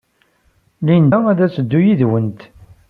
Linda ad teddu yid-went.